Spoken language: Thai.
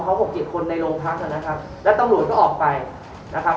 เขาหกเจ็ดคนในโรงพักอ่ะนะครับแล้วตำรวจก็ออกไปนะครับ